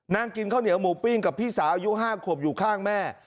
นั่งกินข้าวเหนียวหมูปิ้งกับพี่สาวอายุ๕ขวบอยู่ข้างแม่